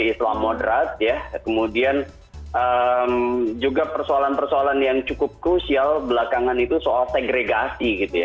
islam moderat ya kemudian juga persoalan persoalan yang cukup krusial belakangan itu soal segregasi gitu ya